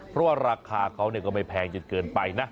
เพราะว่าราคาเขาก็ไม่แพงจนเกินไปนะ